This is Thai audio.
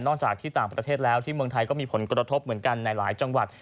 จากที่ต่างประเทศแล้วที่เมืองไทยก็มีผลกระทบเหมือนกันในหลายจังหวัด